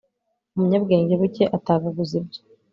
umunyabwenge buke atagaguza ibye